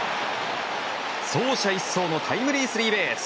走者一掃のタイムリースリーベース！